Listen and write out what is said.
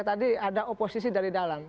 tadi ada oposisi dari dalam